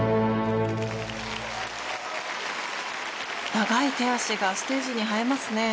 長い手足がステージに映えますねえ。